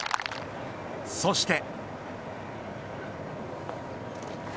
そして。